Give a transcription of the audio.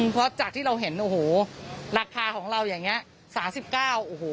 เพราะจากที่เราเห็นราคาของเราอย่างนี้๓๙บาท